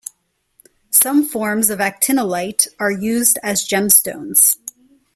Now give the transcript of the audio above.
Some forms of actinolite are used as gemstones.